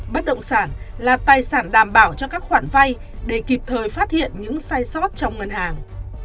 bất động sản là tài sản đảm bảo cho các khoản vay để kịp thời phát hiện những sai sót trong ngân hàng